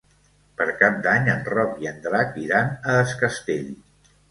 Per Cap d'Any en Roc i en Drac iran a Es Castell.